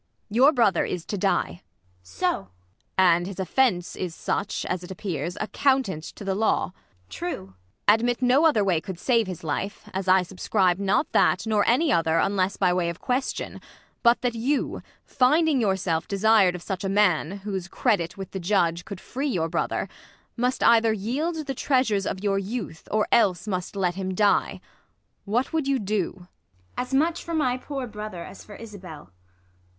Your brother is to die. IsA. So ! Ang, And his offence is such, as it appears Accountant to the law. IsA. True ! Ang. Admit no other way could save his life, As I subscribe not that, nor any other, Unless by way of c|uestiou, but that you Finding yourself desir'd of such a man Whose credit with the judge could free your brother Must either yield the treasures of your youth, Or else must let him die : what would you do 1 ISA. As much for my poor brothei*, as for Isabell.